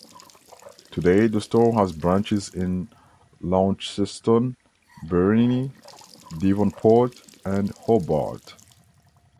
Today the store has branches in Launceston, Burnie, Devonport and Hobart.